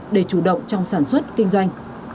để chủ động trong sản xuất kinh doanh